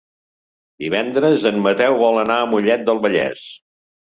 Divendres en Mateu vol anar a Mollet del Vallès.